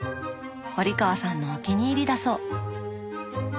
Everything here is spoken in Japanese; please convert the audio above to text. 堀川さんのお気に入りだそう。